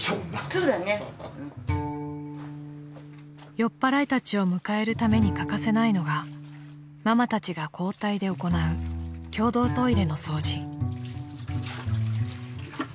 ［酔っぱらいたちを迎えるために欠かせないのがママたちが交代で行う共同トイレの掃除］